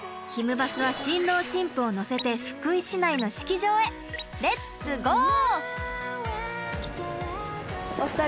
バスは新郎新婦を乗せて福井市内の式場へレッツゴー！